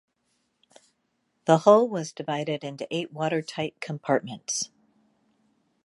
The hull was divided into eight watertight compartments.